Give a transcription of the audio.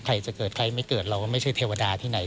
ใครจะเกิดใครไม่เกิดเราก็ไม่ใช่เทวดาที่ไหน